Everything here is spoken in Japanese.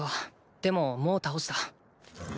でももう倒した。